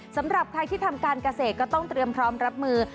สำหรับใครที่ทำการเกษตรก็ต้องเตรียมพร้อมรับมือ